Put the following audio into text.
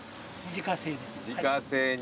自家製煮。